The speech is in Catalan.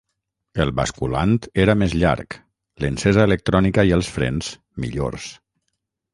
El basculant era més llarg, l'encesa electrònica i els frens, millors.